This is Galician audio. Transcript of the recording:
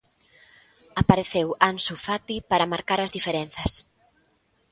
Apareceu Ansu Fati para marcar as diferenzas.